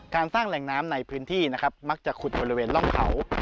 การสร้างแหล่งน้ำในพื้นที่นะครับมักจะขุดบริเวณร่องเขา